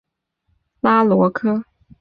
洛斯河畔拉罗科。